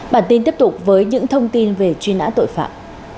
bản tin tiếp tục với những thông tin về chuyên án tội phạm